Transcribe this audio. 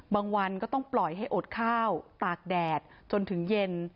วันก็ต้องปล่อยให้อดข้าวตากแดดจนถึงเย็น